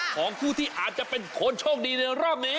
ของผู้ที่อาจจะเป็นคนโชคดีในรอบนี้